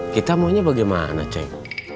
kita maunya bagaimana ceng